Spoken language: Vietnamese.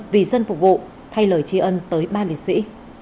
vì dân phục vụ thay lời tri ân tới ba liệt sĩ